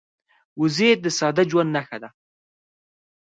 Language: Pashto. وزې د ساده ژوند نښه ده